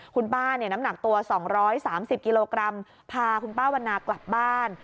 คุณป้าน้ำหนักตัว๒๓๐กิโลกรัมพาคุณป้าวันนากลับบ้าน